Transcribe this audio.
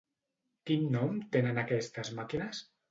Quin nom tenen aquestes màquines?